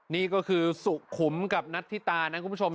นี่ก็คือสุขุมกับนัทธิตานะคุณผู้ชม